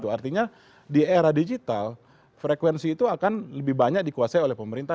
artinya di era digital frekuensi itu akan lebih banyak dikuasai oleh pemerintah